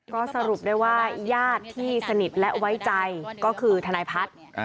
ก็สรุปได้ว่าญาติที่สนิทและไว้ใจก็คือทนายพัฒน์